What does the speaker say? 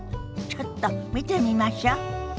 ちょっと見てみましょ。